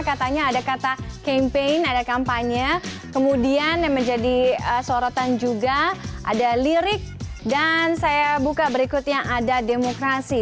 katanya ada kata campaign ada kampanye kemudian yang menjadi sorotan juga ada lirik dan saya buka berikutnya ada demokrasi